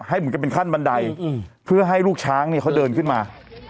เหมือนกับเป็นขั้นบันไดเพื่อให้ลูกช้างเนี่ยเขาเดินขึ้นมา